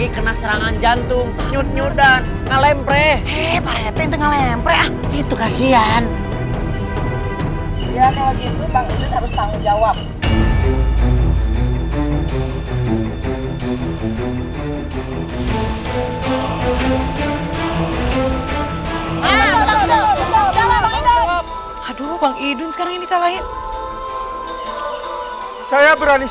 pernah serangan jantung bersyukur masih bisa selamat airnya beliau sadar dan bisa kesini